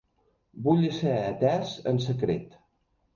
Vull ser atés en secret.